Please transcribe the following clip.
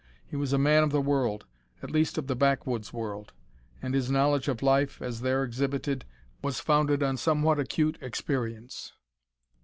He was a man of the world at least of the back woods world and his knowledge of life, as there exhibited, was founded on somewhat acute experience.